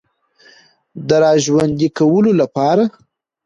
د را ژوندۍ کولو لپاره